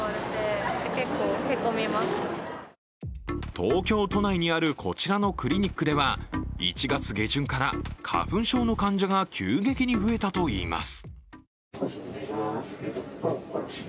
東京都内にあるこちらのクリニックでは１月下旬から花粉症の患者が急激に増えたといいます。